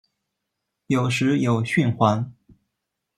有时有蕈环。